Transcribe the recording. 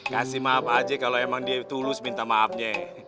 kasih maaf aja kalau emang dia tulus minta maafnya